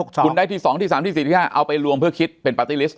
คุณได้ที่๒ที่๓ที่๔ที่๕เอาไปรวมเพื่อคิดเป็นปาร์ตี้ลิสต